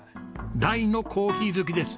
大のコーヒー好きです！